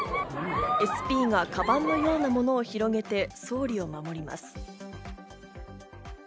ＳＰがカバンのようなものを広げて総理を守ります。